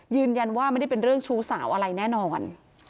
ยืนยันว่าไม่ได้เป็นเรื่องชู้สาวอะไรแน่นอน